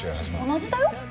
同じだよ？